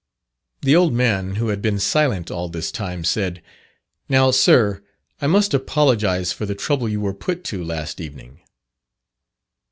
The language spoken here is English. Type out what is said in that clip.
The old man who had been silent all this time, said, "Now, Sir, I must apologize for the trouble you were put to last evening."